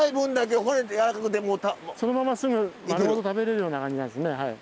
そのまますぐ丸ごと食べれるような感じなんですねはい。